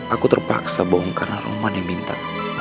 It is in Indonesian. aku terpaksa bohong karena oman yang minta